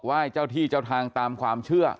เจ้าที่เจ้าทางตามความเชื่อ